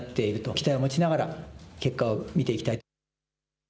期待を持ちながら結果を見ていきたい。